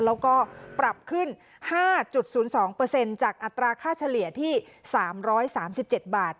แล้วก็ปรับขึ้น๕๐๒เปอร์เซ็นต์จากอัตราค่าเฉลี่ยที่๓๓๗บาท